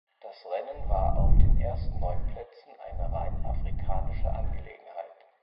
Das Rennen war auf den ersten neun Plätzen eine rein afrikanische Angelegenheit.